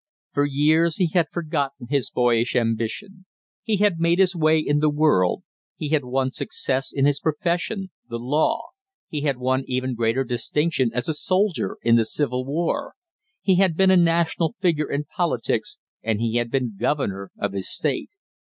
For years he had forgotten his boyish ambition. He had made his way in the world; he had won success in his profession, the law; he had won even greater distinction as a soldier in the Civil War; he had been a national figure in politics, and he had been governor of his state.